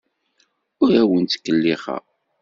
Ur awen-ttkellixeɣ.